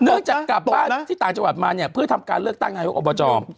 จากกลับบ้านที่ต่างจังหวัดมาเนี่ยเพื่อทำการเลือกตั้งนายกอบจ